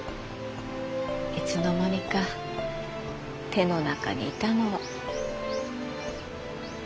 いつの間にか手の中にいたのは。